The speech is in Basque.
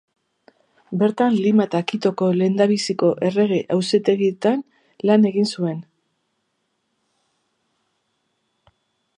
Bertan Lima eta Quitoko lehendabiziko Errege-Auzitegietan lan egin zuen.